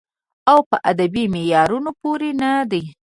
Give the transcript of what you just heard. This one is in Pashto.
او پۀ ادبې معيارونو پوره نۀ دی